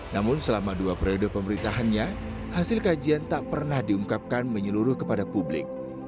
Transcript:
namun selama dua periode pemerintahannya hasil kajian tak pernah diungkapkan menyeluruh kepada publik